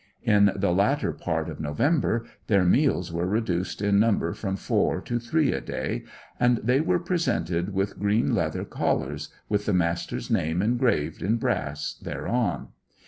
In the latter part of November their meals were reduced in number from four to three a day, and they were presented with green leather collars with the Master's name engraved in brass thereon.